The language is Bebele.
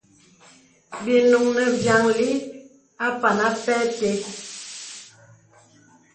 Bì nùŋ nə vyàŋli àpàŋ ampa te.